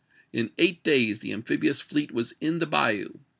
In eight days the amphibious fleet was in the bayou.